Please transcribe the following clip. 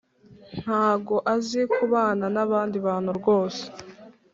Ntago azi kubana nabandi bantu rwose